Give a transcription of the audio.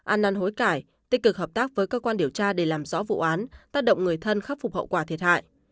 ăn năn hối cải tích cực hợp tác với cơ quan điều tra để làm rõ vụ án tác động người thân khắc phục hậu quả thiệt hại